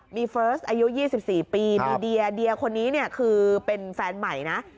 มีเฟิร์สอายุ๒๔ปีมีเดียเดียคนนี้เนี่ยคือเป็นแฟนใหม่นะ